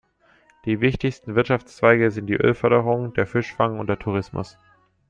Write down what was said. Die wichtigsten Wirtschaftszweige sind die Ölförderung, der Fischfang und der Tourismus.